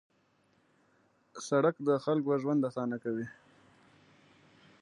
سړک د خلکو ژوند اسانه کوي.